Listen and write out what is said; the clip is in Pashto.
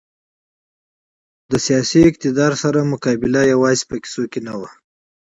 له سیاسي اقتدار سره مقابله یوازې په کیسو کې نه وه.